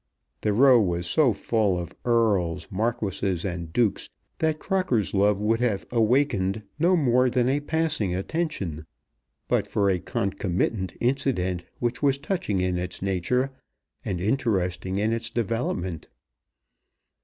The Row was so full of earls, marquises, and dukes that Crocker's love would have awakened no more than a passing attention, but for a concomitant incident which was touching in its nature, and interesting in its development.